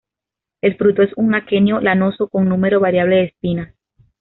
El fruto es un aquenio, lanoso, con número variable de espinas.